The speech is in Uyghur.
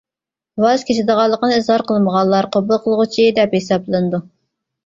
ۋاز كېچىدىغانلىقىنى ئىزھار قىلمىغانلار قوبۇل قىلغۇچى دەپ ھېسابلىنىدۇ.